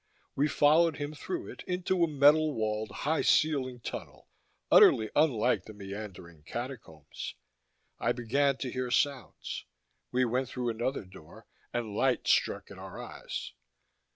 We followed him through it into a metal walled, high ceilinged tunnel, utterly unlike the meandering Catacombs. I began to hear sounds; we went through another door, and light struck at our eyes.